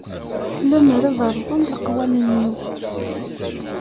Lemmer ad rẓen leqwanen-iw.